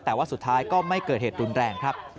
แต่ว่าสุดท้ายก็ไม่เกิดเหตุรุนแรงครับ